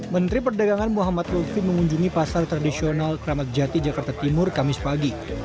menteri perdagangan muhammad lutfi mengunjungi pasar tradisional kramat jati jakarta timur kamis pagi